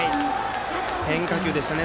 変化球でしたね。